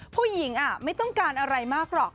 ผู้หญิงไม่ต้องการอะไรมากหรอก